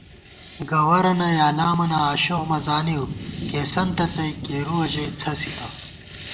گَوَرَنہ یا لامَنہ آشوخ مہ زانِؤ، کېئیسَنتہ تئ، کېرُوَہ ژَئی څھسِتہ